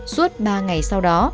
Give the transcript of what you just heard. suốt ba ngày sau đó